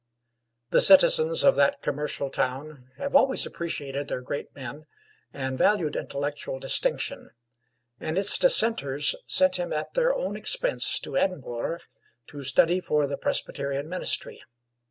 The citizens of that commercial town have always appreciated their great men and valued intellectual distinction, and its Dissenters sent him at their own expense to Edinburgh to study for the Presbyterian ministry.